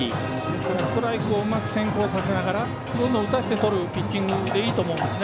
ですから、ストライクをうまく先行させながらどんどん打たせてとるピッチングでいいと思います。